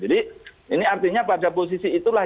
jadi ini artinya pada posisi itulah